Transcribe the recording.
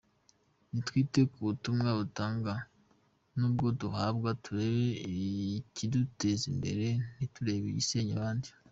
Nitwite ku butumwa dutanga n’ubwo duhabwa, turebe ikiduteza imbere ntiturebe igisenya abandi.